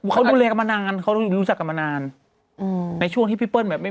เขาดูเลกับมานานเขารู้จักกับมานานในช่วงที่พี่เปิ้ลไม่มีนาน